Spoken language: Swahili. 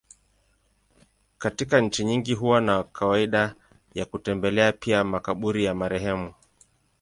Katika nchi nyingi huwa na kawaida ya kutembelea pia makaburi ya marehemu.